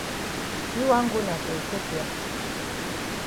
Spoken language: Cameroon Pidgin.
Yi wan go na for Ethiopia.